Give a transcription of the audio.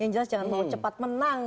yang jelas jangan mau cepat menang